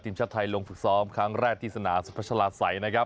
ทีมชาติไทยลงฝึกซ้อมครั้งแรกที่สนามสุพัชลาศัยนะครับ